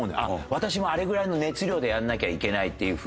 私もあれぐらいの熱量でやらなきゃいけないっていう風に。